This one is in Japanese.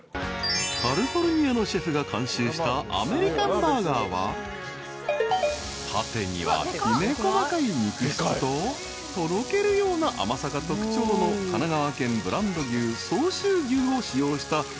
［カリフォルニアのシェフが監修したアメリカンバーガーはパテにはきめ細かい肉質ととろけるような甘さが特徴の神奈川県ブランド牛相州牛を使用した至極の一品］